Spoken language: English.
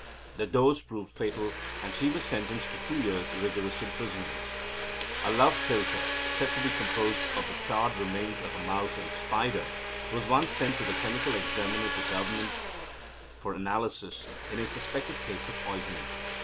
The dose proved fatal, and she was sentenced to two years' rigorous imprisonment. A love philtre, said to be composed of the charred remains of a mouse and spider, was once sent to the chemical examiner to Government for analysis in a suspected case of poisoning.